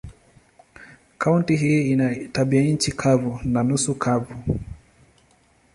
Kaunti hii ina tabianchi kavu na nusu kavu.